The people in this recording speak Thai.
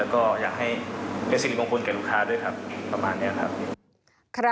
แล้วก็อยากให้เป็นสิริมงคลกับลูกค้าด้วยครับประมาณนี้ครับ